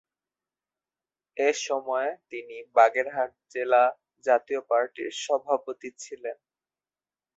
এ সময়ে তিনি বাগেরহাট জেলা জাতীয় পার্টির সভাপতি ছিলেন।